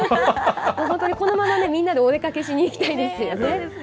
本当にこのままね、みんなでお出かけしにいきたくなりますよね。